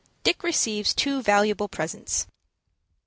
DICK RECEIVES TWO VALUABLE PRESENTS.